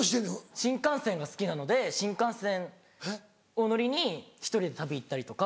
新幹線が好きなので新幹線を乗りに１人で旅行ったりとか。